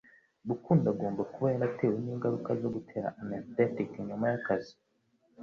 Rukundo agomba kuba yaratewe ningaruka zo gutera anesthetic nyuma yakazi